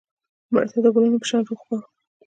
مړه ته د ګلونو په شان روح غواړو